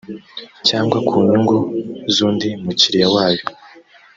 cyangwa ku nyungu z undi mukiriya wayo